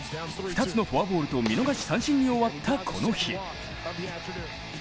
２つのフォアボールと見逃し三振に終わったこの日。